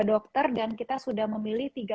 dokter dan kita sudah memilih